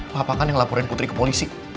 papa kan yang laporan putri ke polisi